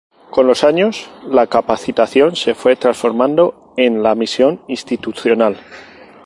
Con los años la capacitación se fue transformando en la misión institucional.